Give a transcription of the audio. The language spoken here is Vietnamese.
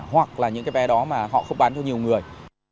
hoặc là những cái vé đó mà họ không bán cho nhiều người